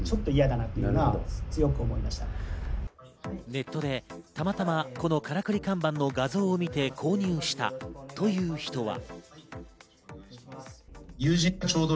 ネットでたまたま、このからくり看板の画像を見て購入したという人は。